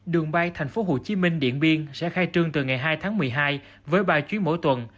đường bay tp hcm điện biên sẽ khai trương từ ngày hai tháng một mươi hai với ba chuyến mỗi tuần